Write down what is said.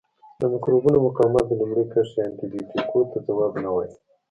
د مکروبونو مقاومت د لومړۍ کرښې انټي بیوټیکو ته ځواب نه وایي.